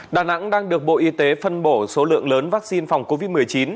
đà nẵng đang được bộ y tế phân bổ số lượng lớn vaccine phòng covid một mươi chín